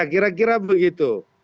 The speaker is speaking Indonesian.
ya kira kira begitu